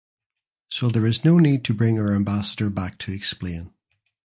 So there is no need to bring our ambassador back to explain.